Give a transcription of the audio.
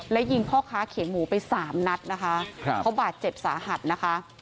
และยิงพ่อค้าเขียงหมูไปสามนัดนะคะเขาบาดเจ็บสาหัสนะคะ